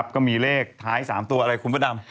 ก็มีเลขท้าย๓ตัวอะไรคุณพระดำ